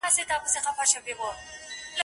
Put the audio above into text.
زما جانان ګل د ګلاب دی برخه ورکړې له ژوندونه